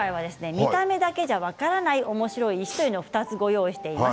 見た目だけじゃ分からないおもしろい石を２つ用意しています。